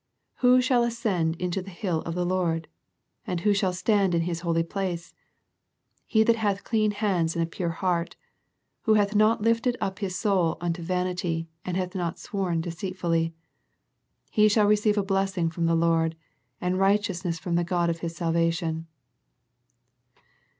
" Who shall ascend into the hill of the Lord ? And who shall stand in His holy place ? He that hath clean hands, and a pure heart ; Who hath not lifted up his soul unto vanity, And hath not sworn deceitfully. He shall receive a blessing from the Lord, And righteousness from the God of His salvation."